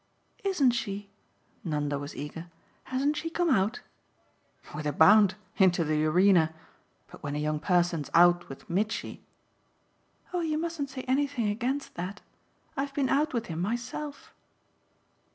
"Isn't she?" Nanda was eager. "Hasn't she come out?" "With a bound into the arena. But when a young person's out with Mitchy !" "Oh you mustn't say anything against that. I've been out with him myself."